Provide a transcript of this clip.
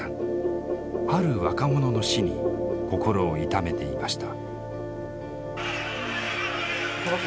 ある若者の死に心を痛めていました。